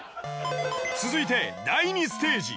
続いて第２ステージ。